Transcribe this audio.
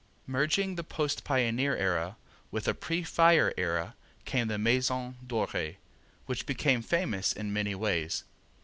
Merging the post pioneer, era with the pre fire era came the Maison Doree, which became famous in many ways.